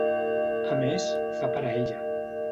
A més, fa per a ella.